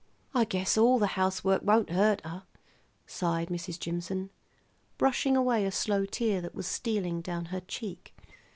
"I guess all the housework won't hurt her," sighed Mrs. Jimson, brushing away a slow tear that was stealing down her cheek.